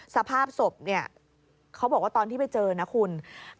สภาพศพเนี่ยเขาบอกว่าตอนที่ไปเจอนะคุณ